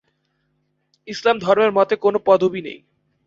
ইসলাম ধর্মের মতে কোন পদবি নেই।